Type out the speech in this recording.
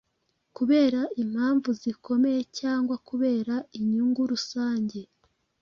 kubera impamvu zikomeye cyangwa kubera inyungu rusange.